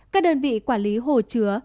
các đơn vị quản lý hồ chứa